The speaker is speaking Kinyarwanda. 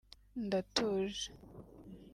ndatuje